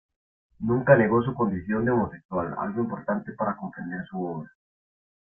Nunca negó su condición de homosexual, algo importante para comprender su obra.